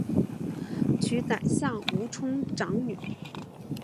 娶宰相吴充长女。